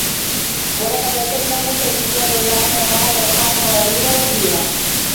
وَلَقَدْ آتَيْنَا مُوسَى الْكِتَابَ وَجَعَلْنَا مَعَهُ أَخَاهُ هَارُونَ وَزِيرًا